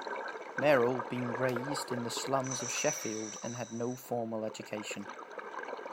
Merrill had been raised in the slums of Sheffield and had no formal education.